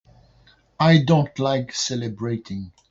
I don't like celebrating.